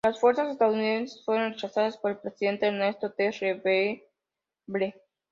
Las fuerzas estadounidenses fueron rechazadas por el presidente Ernesto T. Lefevre.